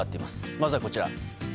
まずはこちら。